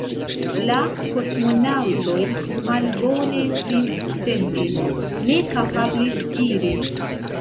La kosmonaŭtoj malbone sin sentis, ne kapablis iri.